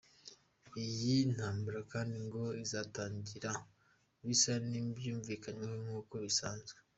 Iyi ntambara kandi ngo izatangira bisa n’ibyumvikanweho nk’uko bisanzwe.